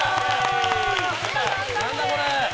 何だ、これ？